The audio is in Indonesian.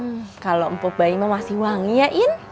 hmm kalo empuk bayi mau masih wangi ya in